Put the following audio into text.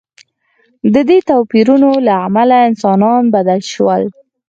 د دې توپیرونو له امله انسانان بدل شول.